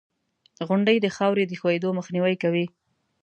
• غونډۍ د خاورې د ښویېدو مخنیوی کوي.